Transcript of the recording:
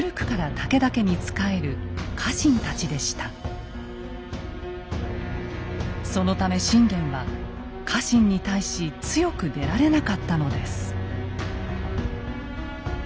この時そのため信玄は家臣に対し強く出られなかったのです。